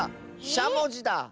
しゃもじだ。